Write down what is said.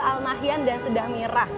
al nahyan dan sedang merah